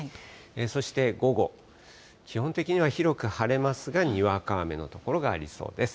そして午後、基本的には広く晴れますが、にわか雨の所がありそうです。